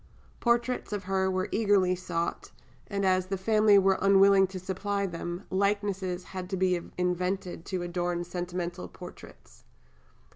Portraits of her were eagerly sought; and as the family were unwilling to supply them, likenesses had to be invented to adorn sentimental prints.